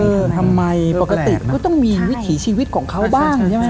ทำไมปกติก็ต้องมีวิถีชีวิตของเขาบ้างใช่ไหม